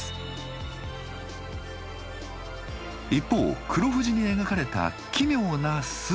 一方黒富士に描かれた奇妙な筋。